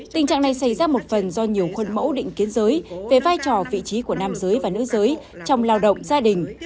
tình trạng này xảy ra một phần do nhiều khuôn mẫu định kiến giới về vai trò vị trí của nam giới và nữ giới trong lao động gia đình